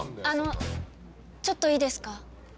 あのちょっといいですか？